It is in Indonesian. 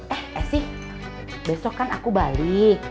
eh esi besok kan aku balik